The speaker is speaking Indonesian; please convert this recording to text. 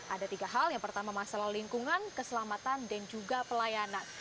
ada tiga hal yang pertama masalah lingkungan keselamatan dan juga pelayanan